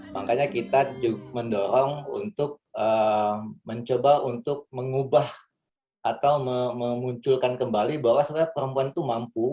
makanya kita juga mendorong untuk mencoba untuk mengubah atau memunculkan kembali bahwa sebenarnya perempuan itu mampu